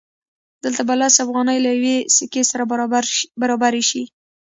دلته به لس افغانۍ له یوې سکې سره برابرې شي